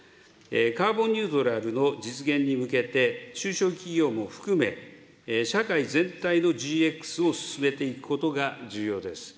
カーボンニュートラルの実現に向けて、中小企業も含め、社会全体のＧＸを進めていくことが重要です。